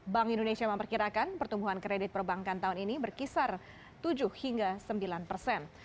bank indonesia memperkirakan pertumbuhan kredit perbankan tahun ini berkisar tujuh hingga sembilan persen